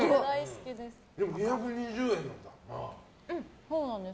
でも、２２０円なんだ。